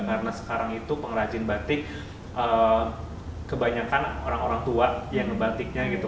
karena sekarang itu pengrajin batik kebanyakan orang orang tua yang batiknya gitu